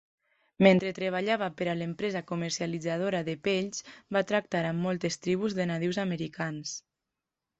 Mentre treballava per a l'empresa comercialitzadora de pells va tractar amb moltes tribus de nadius americans.